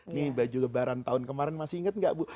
ini baju lebaran tahun kemarin masih inget nggak ibu